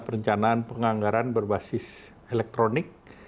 perencanaan penganggaran berbasis elektronik